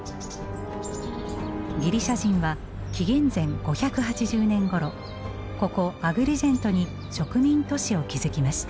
ギリシャ人は紀元前５８０年ごろここアグリジェントに植民都市を築きました。